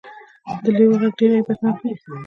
د لیوه غږ ډیر هیبت ناک وي